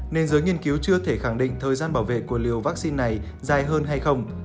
nên giới nghiên cứu chưa thể khẳng định thời gian bảo vệ của liều vaccine này dài hơn hay không